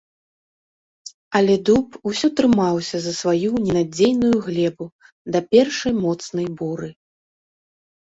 Але дуб усё трымаўся за сваю ненадзейную глебу да першай моцнай буры.